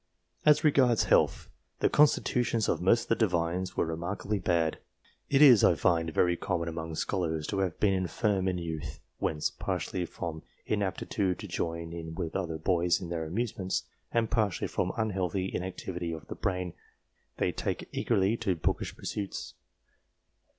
As regards health, the constitutions of most of the Divines were remarkably bad. It is, I find, very common among scholars to have been infirm in youth, whence, partly from inaptitude to join with other boys in their amuse ments, and partly from unhealthy activity of the brain, they take eagerly to bookish pursuits.